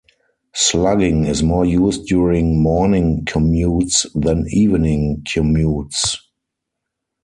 Slugging is more used during morning commutes than evening commutes.